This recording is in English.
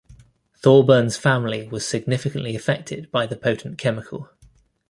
Thorburn's family was significantly affected by the potent chemical.